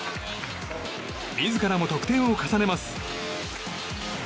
自らも得点を重ねます。